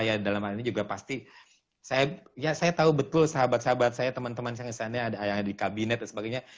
ya dalam hal ini juga pasti ya saya tahu betul sahabat sahabat saya teman teman yang di sana ada ayah di kabinet dan sebagainya